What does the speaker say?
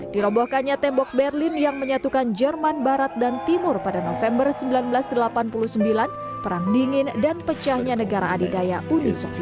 dirobohkannya tembok berlin yang menyatukan jerman barat dan timur pada november seribu sembilan ratus delapan puluh sembilan perang dingin dan pecahnya negara adidaya uni soviet